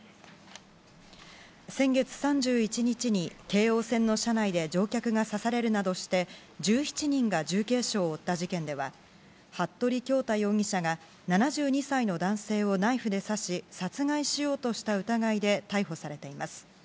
先月３１日に京王線の車内で乗客が刺されるなどして１７人が重軽傷を負った事件では服部恭太容疑者が７２歳の男性をナイフで刺し殺害しようとした疑いで逮捕されています。